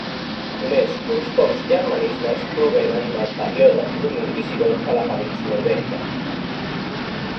Només uns pocs germanismes provenen del període de domini visigot a la península Ibèrica.